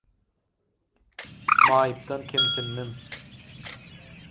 Maýypdan kemsindim.